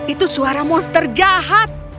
itu suara monster jahat